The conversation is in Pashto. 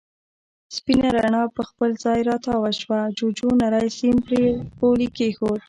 سپينه رڼا پر خپل ځای را تاوه شوه، جُوجُو نری سيم پر غولي کېښود.